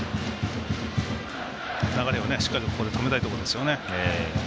流れをしっかりとここで止めたいところですね。